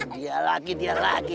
dia lagi dia lagi